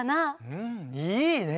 うんいいね！